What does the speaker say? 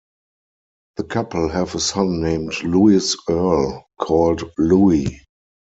The couple have a son named Louis Earl, called Louie.